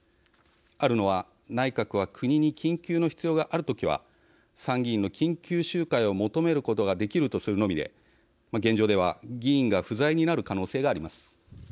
あるのは内閣は国に緊急の必要があるときは参議院の緊急集会を求めることができるとするのみで現状では、議員が不在になる可能性があります。